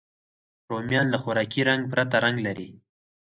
رومیان له خوراکي رنګ پرته رنګ لري